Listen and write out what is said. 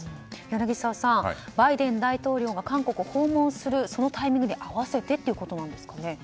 柳澤さんバイデン大統領が韓国を訪問するそのタイミングに合わせてということなんですかね。